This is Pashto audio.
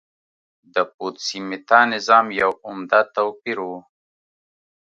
د پوتسي میتا نظام یو عمده توپیر و